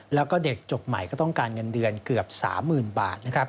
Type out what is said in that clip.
แล้วก็เด็กจบใหม่ก็ต้องการเงินเดือนเกือบ๓๐๐๐บาทนะครับ